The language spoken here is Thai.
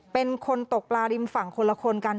เป็นคนตกปลาริมฝั่งคนละคนกัน